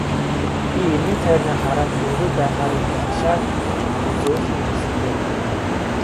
Би эргэн тойрноо хараад хүнгүй байхаар нь хашааг даван зөөлхөн элсэн дээр буув.